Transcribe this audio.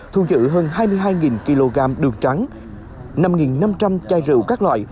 thu giữ hơn hai mươi hai kg đường trắng năm năm trăm linh chai rượu các loại